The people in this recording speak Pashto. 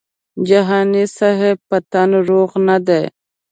جهاني صاحب په تن روغ نه دی.